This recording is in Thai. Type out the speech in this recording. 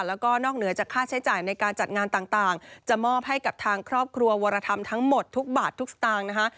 แล้วก็นอกเหนือจากค่าใช้จ่ายในการจัดงานต่างจะมอบให้กับทางครอบครัววรธรรมทั้งหมดทุกบาททุกสตางค์นะคะ